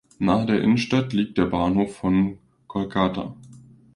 Nahe der Innenstadt liegt der Bahnhof von Kolkata.